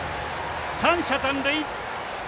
三者残塁。